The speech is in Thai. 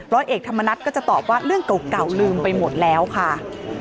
ร้อยเอกธรรมนัฏก็จะตอบว่าเรื่องเก่าลืมไปหมดแล้วค่ะ